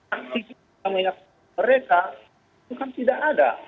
aksi aksi yang banyak mereka itu kan tidak ada